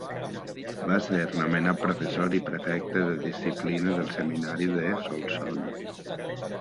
Va ser nomenat professor i prefecte de disciplina del Seminari de Solsona.